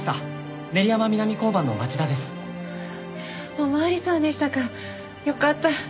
お巡りさんでしたかよかった。